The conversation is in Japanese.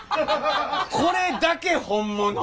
これだけ本物。